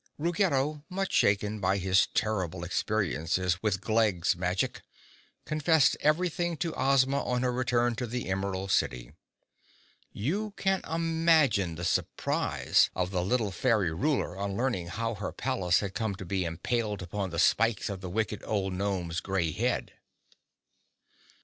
Ruggedo, much shaken by his terrible experiences with Glegg's magic, confessed everything to Ozma on her return to the Emerald City. You can imagine the surprise of the little Fairy Ruler on learning how her palace had come to be impaled upon the spikes of the wicked old gnome's gray head.